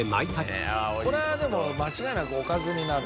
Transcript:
これはでも間違いなくおかずになる。